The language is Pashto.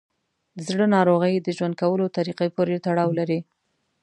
د زړه ناروغۍ د ژوند کولو طریقه پورې تړاو لري.